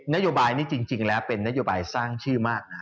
นโยบายนี้จริงแล้วเป็นนโยบายสร้างชื่อมาก